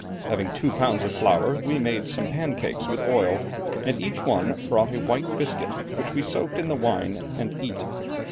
Having two pounds of flour we made some pancakes with oil, and each one brought a white biscuit, which we soaked in the wine and eat.